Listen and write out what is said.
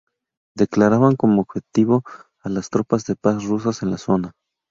Declaraban como objetivo a las tropas de paz rusas en la zona.